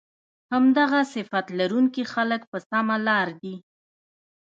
همدغه صفت لرونکي خلک په سمه لار دي